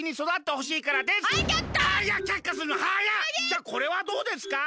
じゃあこれはどうですか？